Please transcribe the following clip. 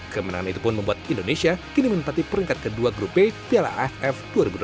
kemenangan itu pun membuat indonesia kini menempati peringkat kedua grup b piala aff dua ribu delapan belas